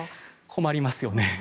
困りますよね。